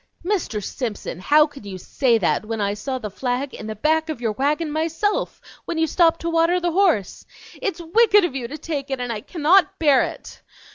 "Mr. Simpson, how can you say that, when I saw the flag in the back of your wagon myself, when you stopped to water the horse? It's wicked of you to take it, and I cannot bear it!"